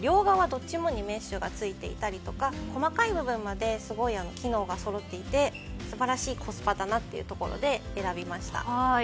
どっちにもメッシュが付いていたり細かい部分まですごい機能がそろっていて素晴らしいコスパだなというところで選びました。